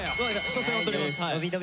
初戦はとります。